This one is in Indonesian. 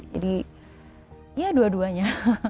jadi ya dua duanya